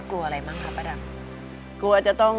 กลัวอะไรบ้างค่ะ